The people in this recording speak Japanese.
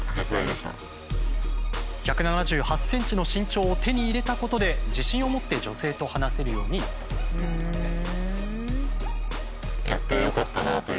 １７８ｃｍの身長を手に入れたことで自信を持って女性と話せるようになったということなんです。